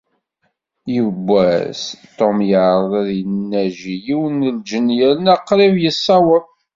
Yiwwas Tom yeεreḍ ad d-inaji yiwen n lǧenn yerna qrib yessaweḍ.